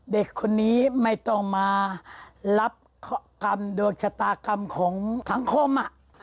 เด็กคนนี้ไม่ต้องมารับกรรมโดนชะตากรรมของสังคม